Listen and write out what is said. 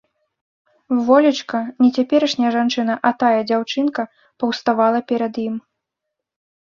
Волечка, не цяперашняя жанчына, а тая дзяўчынка паўставала перад ім.